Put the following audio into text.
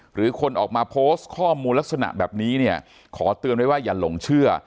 หรือคนออกมาโพสต์ข้อมูลลักษณะแบบนี้เนี่ยขอเตือนไว้ว่าอย่าหลงเชื่อ